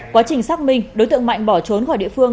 quá trình xác minh đối tượng mạnh bỏ trốn khỏi địa phương